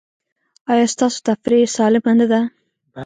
ایا ستاسو تفریح سالمه نه ده؟